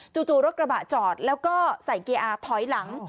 จู่รถกระบะจอดแล้วก็ใส่เกียร์อาร์ถอยหลัง